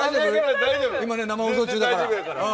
今、生放送中だから。